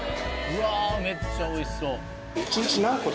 うわめっちゃ美味しそう。